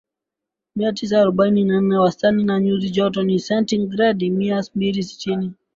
mia tisa arobaini na nne Wastani wa nyuzi joto ni sentigredi mia mbili sitini